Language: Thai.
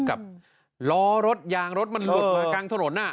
กับล้อรถยางรถมันหลุดมากลางถนน